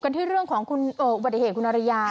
ที่เรื่องของคุณอุบัติเหตุคุณอริยา